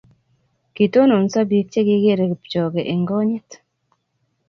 kitononso biik chegigeere kipchoge eng konyiit